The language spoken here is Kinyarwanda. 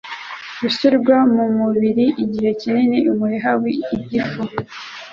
gushyirwa mu mubiri igihe kinini, umuheha w’igifu